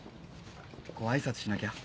ご挨拶しなきゃ。